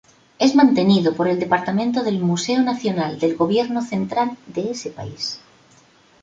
Es mantenido por el Departamento del Museo Nacional del gobierno central de ese país.